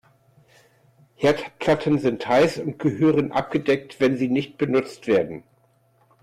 Herdplatten sind heiß und gehören abgedeckt, wenn sie nicht benutzt werden.